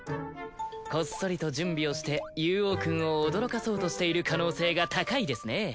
こっそりと準備をしてユウオウくんを驚かそうとしている可能性が高いですね。